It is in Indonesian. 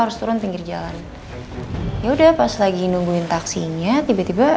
harus turun pinggir jalan ya udah pas lagi nungguin taksinya tiba tiba